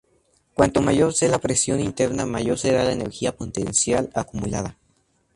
Cuanto mayor sea la presión interna mayor será la energía potencial acumulada.